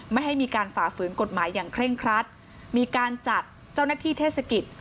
ไม่ให้มีการฝ่าฝืนกฎหมายอย่างเคร่งครัดมีการจัดเจ้าหน้าที่เทศกิจ